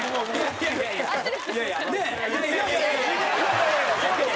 いやいやいやいや！